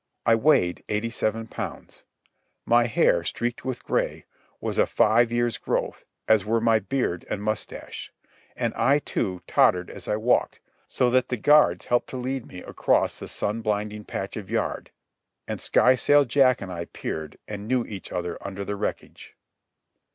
I weighed eighty seven pounds. My hair, streaked with gray, was a five years' growth, as were my beard and moustache. And I, too, tottered as I walked, so that the guards helped to lead me across that sun blinding patch of yard. And Skysail Jack and I peered and knew each other under the wreckage.